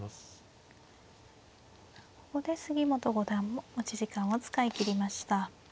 ここで杉本五段も持ち時間を使い切りました。